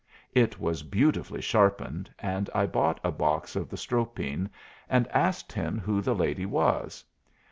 It was beautifully sharpened, and I bought a box of the Stropine and asked him who the lady was.